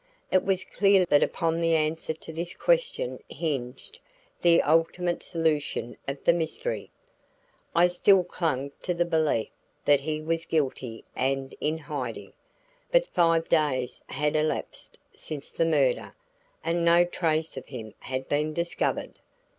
It was clear now that upon the answer to this question hinged the ultimate solution of the mystery. I still clung to the belief that he was guilty and in hiding. But five days had elapsed since the murder, and no trace of him had been discovered.